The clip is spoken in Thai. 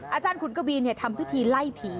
อาจารย์ขุนกวีทำพฤทธิ์ไล่ผี